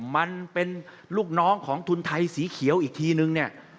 มันเป็นลูกน้องของทุนไทยสีเขียวอีกทีนึงเนี่ย